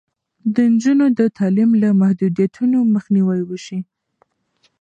د نجونو د تعلیم له محدودیتونو مخنیوی وشي.